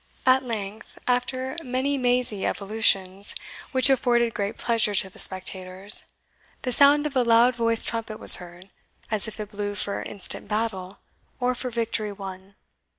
At length, after many mazy evolutions, which afforded great pleasure to the spectators, the sound of a loud voiced trumpet was heard, as if it blew for instant battle, or for victory won.